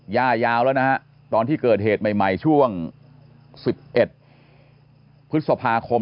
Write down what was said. ย่ายาวแล้วนะฮะตอนที่เกิดเหตุใหม่ช่วง๑๑พฤษภาคม